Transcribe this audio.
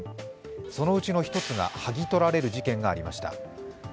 そのうちの１つが剥ぎ取られる事件がありました。